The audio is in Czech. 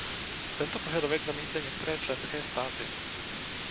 Tento požadavek zamítly některé členské státy.